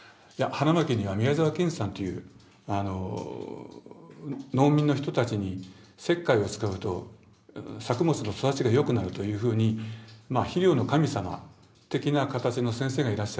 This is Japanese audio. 花巻には宮沢賢治さんという農民の人たちに石灰を使うと作物の育ちがよくなるというふうにまあ「肥料の神様」的なかたちの先生がいらっしゃると。